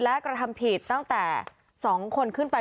และกระทำผิดตั้งแต่๒คนขึ้นไป